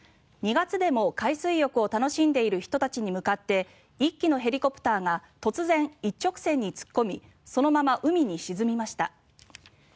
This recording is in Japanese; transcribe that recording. ２月でも海水浴を楽しんでいる人たちに向かって１機のヘリコプターが突然、一直線に突っ込みそのまま海に沈みました。